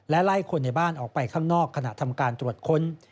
ไล่คนในบ้านออกไปข้างนอกขณะทำการตรวจค้น